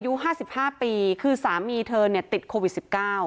อายุ๕๕ปีคือสามีเธอติดโควิด๑๙